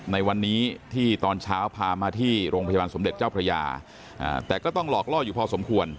ในวันนี้ที่ตอนเช้าพามาที่โรงพยาบาลสมเด็จเจ้าพระยาแต่ก็ต้องหลอกล่ออยู่พอสมควร